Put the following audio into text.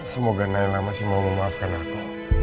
semoga nayana masih mau memaafkan aku